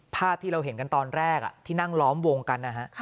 ภาพที่เราเห็นกันตอนแรกที่นั่งล้อมวงกันนะฮะ